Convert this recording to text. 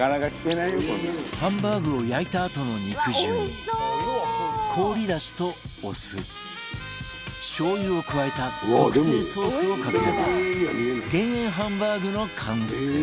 ハンバーグを焼いたあとの肉汁に氷出汁とお酢しょう油を加えた特製ソースをかければ減塩ハンバーグの完成